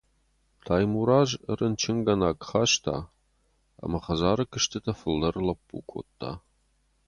Таймураз рынчынгӕнаг хаста, ӕмӕ хӕдзары куыстытӕ фылдӕр лӕппу кодта.